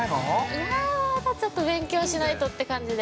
◆いや、ちょっと勉強しないとって感じで。